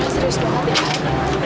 serius banget ya